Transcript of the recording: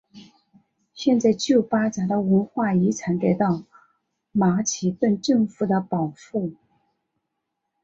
现在旧巴扎的文化遗产得到马其顿政府的保护。